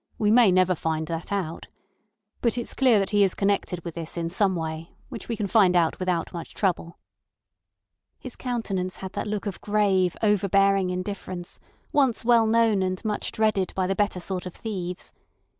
We may never find that out. But it's clear that he is connected with this in some way, which we can find out without much trouble." His countenance had that look of grave, overbearing indifference once well known and much dreaded by the better sort of thieves.